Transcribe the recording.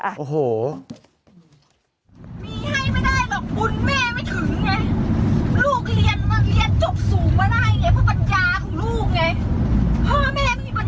มีให้ไม่ได้หรอกบุญแม่ไม่ถึงไง